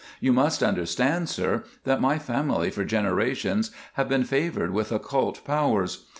You must understand, sir, that my family for generations have been favoured with occult powers.